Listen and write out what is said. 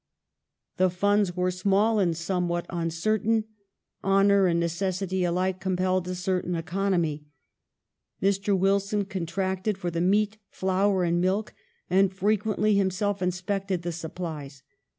The funds were small and somewhat uncer tain. Honor and necessity alike compelled a certain economy. Mr. Wilson contracted for the meat, flour, and milk, and frequently him self inspected the supplies.